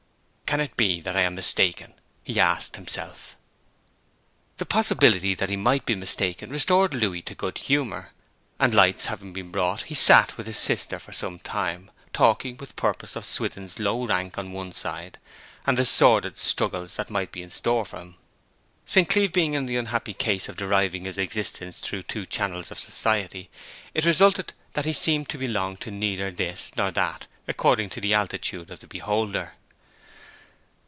'Can it be that I am mistaken?' he asked himself. The possibility that he might be mistaken restored Louis to good humour, and lights having been brought he sat with his sister for some time, talking with purpose of Swithin's low rank on one side, and the sordid struggles that might be in store for him. St. Cleeve being in the unhappy case of deriving his existence through two channels of society, it resulted that he seemed to belong to either this or that according to the altitude of the beholder.